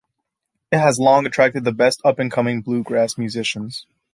It has long attracted the best up-and-coming bluegrass musicians.